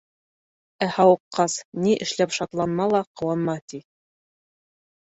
Ә һауҡҡас, ни эшләп шатланма ла ҡыуанма, ти?